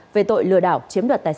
về tội lừa đảo chiếm đoạt tài sản